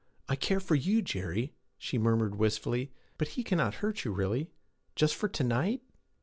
I care for you, Jerry,' she murmured wistfully. 'But he cannot hurt you, really? Just for to night?'